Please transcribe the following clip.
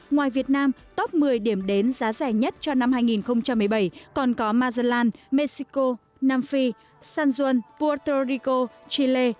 ngoài việt nam top một mươi điểm đến giá rẻ nhất cho năm hai nghìn một mươi bảy còn có magellan mexico nam phi san juan puerto rico chile